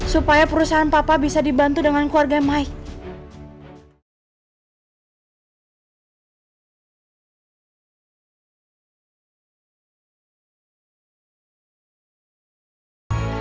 supaya perusahaan papa bisa dibantu dengan keluarga mike